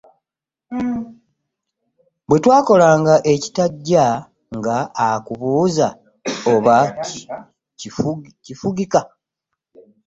Bwetwakolanga ebitaggya, nga akubuuza oba bakufugika .